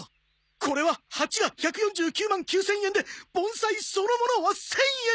これは鉢が１４９万９０００円で盆栽そのものは１０００円！